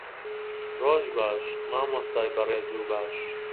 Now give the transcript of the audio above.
ڕۆژ باش، مامۆستای بەڕێز و باش.